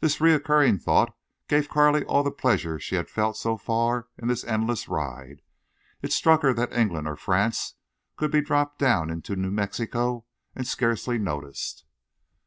This recurring thought gave Carley all the pleasure she had felt so far in this endless ride. It struck her that England or France could be dropped down into New Mexico and scarcely noticed.